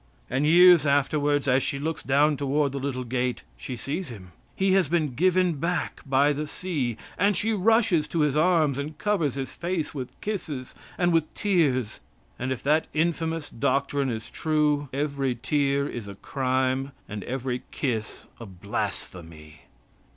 And years afterwards as she looks down toward the little gate, she sees him; he has been given back by the sea, and she rushes to his arms and covers his face with kisses, and with tears. And if that infamous doctrine is true, every tear is a crime, and every kiss a blasphemy.